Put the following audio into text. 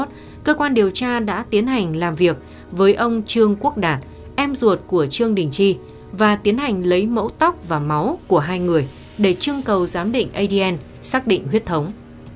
ngày ba mươi tháng một mươi một năm hai nghìn hai mươi một cơ quan điều tra đã tiến hành làm việc với ông trương quốc đạt em ruột của trương đình chi và tiến hành lấy mẫu tóc và máu của hai người để chương cầu giám định adn xác định huyết thống